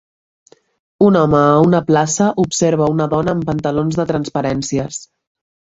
Un home a una plaça observa una dona amb pantalons de transparències.